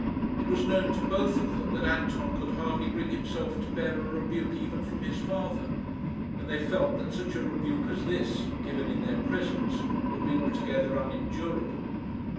It was known to both of them that Anton could hardly bring himself to bear a rebuke even from his father, and they felt that such a rebuke as this, given in their presence, would be altogether unendurable.